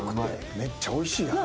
めっちゃおいしいやん。